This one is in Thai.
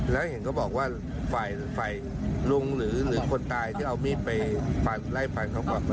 แล้วเห็นก็บอกว่าไฟไฟลุงหรือคนตายที่เอามีดไปไล่ไฟ